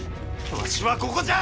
わしはここじゃ！